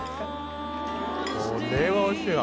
これはおいしいわ。